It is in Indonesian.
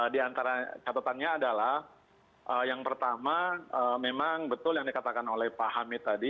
di antara catatannya adalah yang pertama memang betul yang dikatakan oleh pak hamid tadi